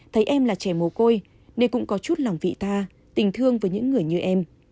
thấy em là trẻ mồ côi nên cũng có chút lòng vị tha tình thương với những người như em